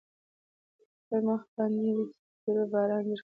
په خپل مخ باندې يې د څپېړو باران جوړ کړ.